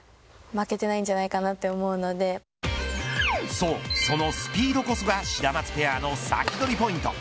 そう、そのスピードこそがシダマツペアのサキドリポイント。